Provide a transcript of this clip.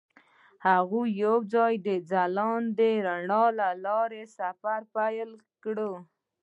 هغوی یوځای د ځلانده رڼا له لارې سفر پیل کړ.